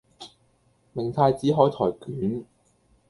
明太子海苔捲